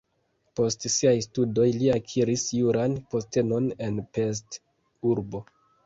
Post siaj studoj li akiris juran postenon en Pest (urbo).